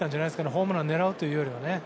ホームランを狙うというよりはね。